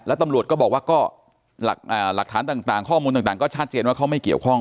แล้วตำรวจก็บอกว่าก็หลักฐานต่างข้อมูลต่างก็ชัดเจนว่าเขาไม่เกี่ยวข้อง